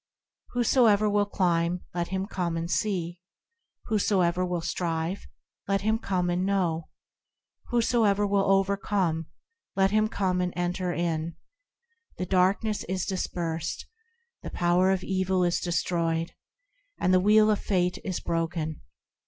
Whosoever will climb, let him come and see; Whosoever will strive, let him come and know ; Whosoever will overcome, let him come and enter in. The darkness is dispersed, The power of evil is destroyed, And the wheel of Fate is broken.